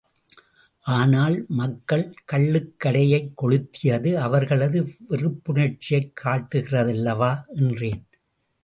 ஆனால் மக்கள் கள்ளுக்கடையை கொளுத்தியது அவர்களது வெறுப்புணர்ச்சியைக் காட்டு கிறதல்லவா? என்றேன்.